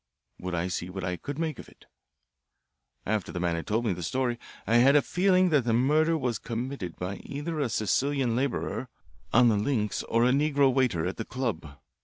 Would I see what I could make of it? "After his man had told me the story I had a feeling that the murder was committed by either a Sicilian labourer on the links or a negro waiter at the club.